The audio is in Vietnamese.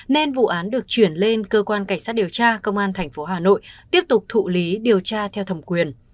nên vụ án được chuyển lên cơ quan cảnh sát điều tra công an tp hà nội tiếp tục thụ lý điều tra theo thẩm quyền